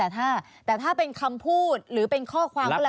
แต่ถ้าเป็นคำพูดหรือเป็นข้อความก็แล้ว